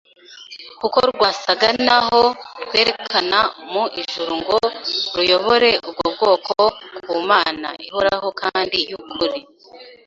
kuko rwasaga naho rwerekana mu ijuru ngo ruyobore ubwo bwoko ku Mana ihoraho kandi y'ukuri